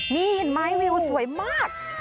นี่เม้ยวิวสวยมาก